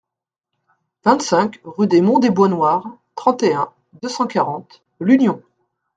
vingt-cinq rUE DES MONTS DES BOIS NOIRS, trente et un, deux cent quarante, L'Union